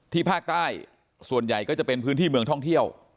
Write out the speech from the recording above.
ภาคใต้ส่วนใหญ่ก็จะเป็นพื้นที่เมืองท่องเที่ยว